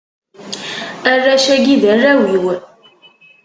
arrac-agi, d arraw-iw.